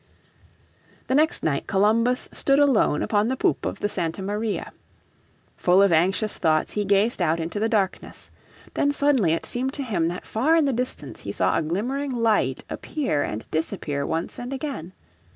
The next night Columbus stood alone upon the poop of the Santa Maria. Full of anxious thoughts he gazed out into the darkness. Then suddenly it seemed to him that far in the distance he saw a glimmering light appear and disappear once and again.